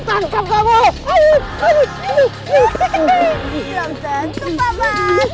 adaos bola kekil aku tangan penarival